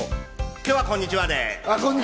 今日は、「こんにちは」で。